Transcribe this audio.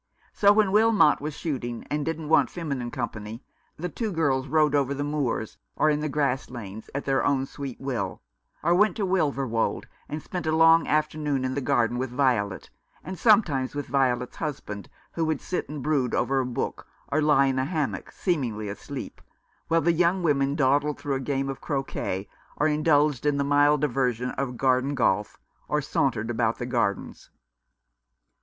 So when Wilmot was shooting, and didn't want feminine company, the two girls rode over the moors, or in the grass lanes, at their own sweet will ; or went to Wilver wold, and spent a long afternoon in the garden with Violet, and sometimes with Violet's husband, who would sit and brood over a book, or lie in a hammock seemingly asleep, while the young women dawdled through a game of croquet, or indulged in the mild diversion of garden golf, or sauntered about the gardens.